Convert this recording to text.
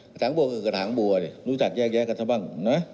กระถางบัวคือกระถางบัวรู้จักแยะกันซะบ้าง